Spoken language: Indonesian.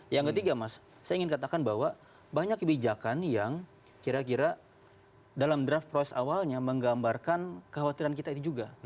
yang ketiga mas saya ingin katakan bahwa banyak kebijakan yang kira kira dalam draft proses awalnya menggambarkan kekhawatiran kita itu juga